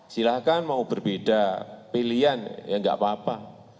silahkan mau berbeda pilihan ya nggak apa apa